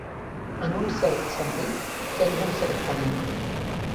En un cert sentit, sents un cert pànic.